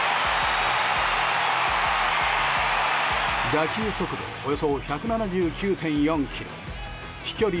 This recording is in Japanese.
打球速度およそ１７９．４キロ飛距離